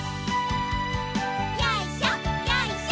よいしょよいしょ。